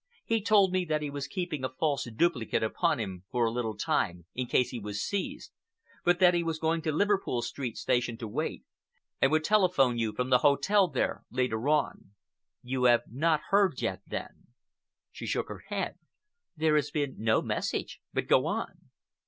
He told me that he was keeping a false duplicate upon him for a little time, in case he was seized, but that he was going to Liverpool Street station to wait, and would telephone you from the hotel there later on. You have not heard yet, then?" She shook her head. "There has been no message, but go on."